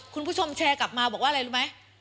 คุณผู้ชมแชร์กลับมาบอกว่าอะไรรู้ไหม